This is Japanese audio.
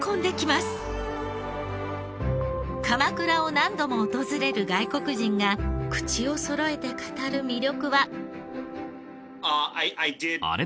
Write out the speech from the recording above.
鎌倉を何度も訪れる外国人が口をそろえて語る魅力は？